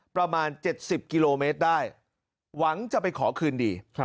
ประมาณ๗๐กิโลเมตรได้หวังจะไปขอคืนดี